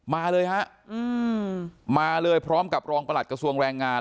มาเลยฮะมาเลยพร้อมกับรองประหลัดกระทรวงแรงงาน